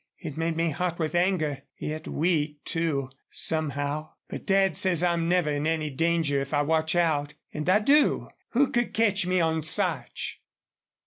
It made me hot with anger, yet weak, too, somehow. But Dad says I'm never in any danger if I watch out. And I do. Who could catch me on Sarch?"